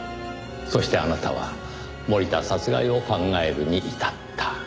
そしてあなたは森田殺害を考えるに至った。